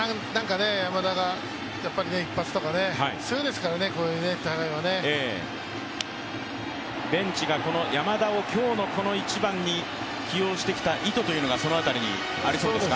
山田が一発とかね、強いですからね、こういう戦いはねベンチが山田を今日の１番に起用してきた意図がその辺りにありそうですか。